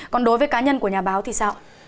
còn đối với cá nhân của nhà báo thì sao